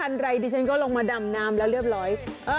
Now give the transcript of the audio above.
ดิฉันก็ลงมาดำนามแล้วเรียบร้อย